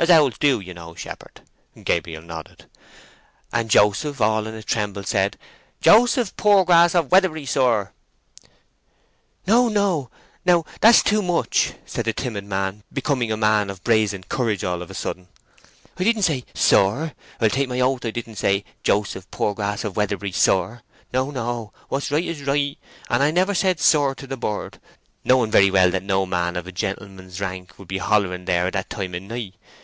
as owls do, you know, shepherd" (Gabriel nodded), "and Joseph, all in a tremble, said, 'Joseph Poorgrass, of Weatherbury, sir!'" "No, no, now—that's too much!" said the timid man, becoming a man of brazen courage all of a sudden. "I didn't say sir. I'll take my oath I didn't say 'Joseph Poorgrass o' Weatherbury, sir.' No, no; what's right is right, and I never said sir to the bird, knowing very well that no man of a gentleman's rank would be hollering there at that time o' night.